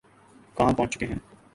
کہاں پہنچ چکے ہیں۔